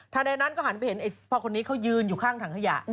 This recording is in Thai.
ถ้าในนั้นก็หันไปเห็นไอ้พ่อคนนี้เขายืนอยู่ข้างถังขยะ